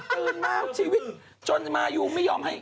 ตื่นมาเอาชีวิตจนมายูไม่ยอมให้